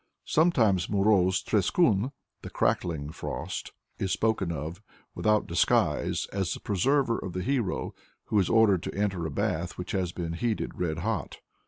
Sometimes Moroz Treskun, the Crackling Frost, is spoken of without disguise as the preserver of the hero who is ordered to enter a bath which has been heated red hot.